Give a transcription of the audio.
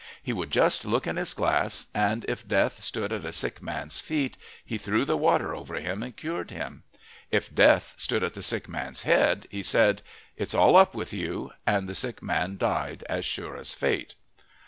He would just look in his glass, and if Death stood at a sick man's feet, he threw the water over him and cured him. If Death stood at the sick man's head, he said: "It's all up with you," and the sick man died as sure as fate.